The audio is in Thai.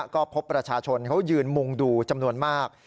ก็พบประชาชนเขายืนมุงดูจำนวนมาก